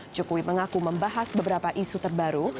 jokowi mengaku membahas beberapa isu terbaru